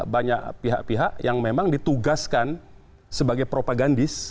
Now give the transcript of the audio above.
banyak pihak pihak yang memang ditugaskan sebagai propagandis